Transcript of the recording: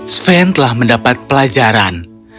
sven telah mendapat pelajaran